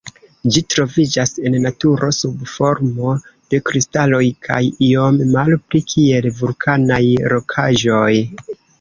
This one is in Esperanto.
Ĝi troviĝas en naturo sub formo de kristaloj kaj iom malpli kiel vulkanaj rokaĵoj.